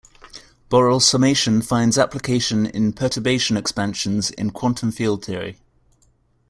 Borel summation finds application in perturbation expansions in quantum field theory.